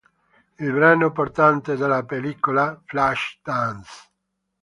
Il brano portante della pellicola, "Flashdance...